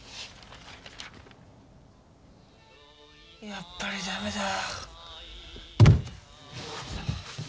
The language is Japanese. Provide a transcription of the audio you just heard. やっぱりダメだ。